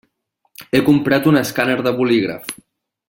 He comprat un escàner de bolígraf.